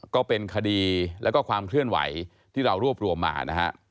ก็เป็นคดีแล้วก็ความเคลื่อนไหวที่เรารวบรวมมานะฮะ